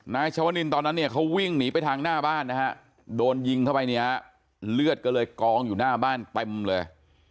นายชวนินตอนนั้นเนี่ยเขาวิ่งหนีไปทางหน้าบ้านนะฮะโดนยิงเข้าไปเนี่ยเลือดก็เลยกองอยู่หน้าบ้านเต็มเลย